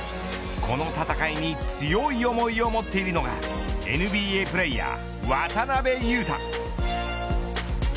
この戦いに強い思いを持っているのがＮＢＡプレーヤー、渡邊雄太。